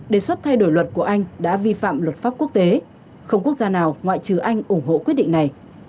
đề xuất thay đổi luật của anh đã vi phạm luật pháp quốc tế không quốc gia nào ngoại trừ anh ủng hộ quyết định này